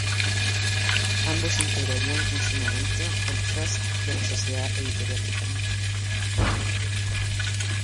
Ambos integrarían en su momento el "trust" de la Sociedad Editorial de España.